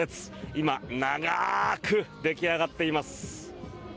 今、長く出来上がっています。